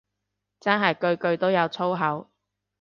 真係句句都有粗口